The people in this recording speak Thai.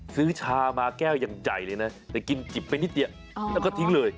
ชามาแก้วยังใหญ่เลยนะแต่กินจิบไปนิดเดียวแล้วก็ทิ้งเลย